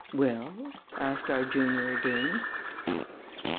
"Well?" asked our junior again.